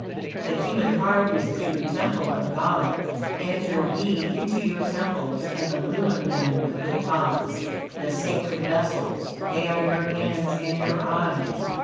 "The human heart is the true temple of God; enter ye into your temples and illumine them with good thoughts. The sacred vessels, they are your hands and your eyes.